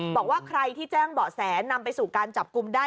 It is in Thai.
บอกว่าใครที่แจ้งเบาะแสนำไปสู่การจับกลุ่มได้